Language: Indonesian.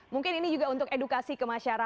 mungkin ini juga untuk edukasi kemasyarakat